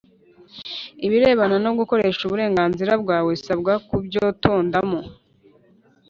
ibirebana no gukoresha uburenganzira bwawe urasabwa kubyotondamo